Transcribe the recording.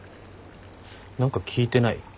何か聞いてない？